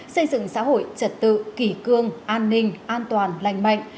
xây dựng xã hội trật tự kỷ cương an ninh an toàn lành mạnh